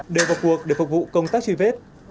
đều vào cuộc để phục vụ công tác truy vết